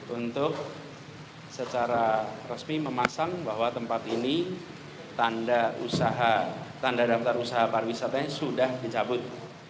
untuk secara resmi memasang bahwa tempat ini tanda daftar usaha pariwisatanya sudah dicabut